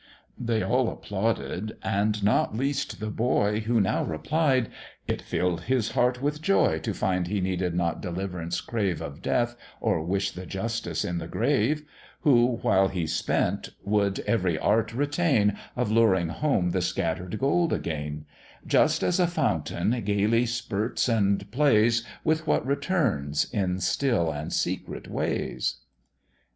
They all applauded, and not least the boy, Who now replied, "It fill'd his heart with joy To find he needed not deliv'rance crave Of death, or wish the Justice in the grave; Who, while he spent, would every art retain, Of luring home the scatter'd gold again; Just as a fountain gaily spirts and plays With what returns in still and secret ways."